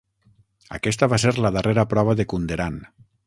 Aquesta va ser la darrera prova de Kunderan.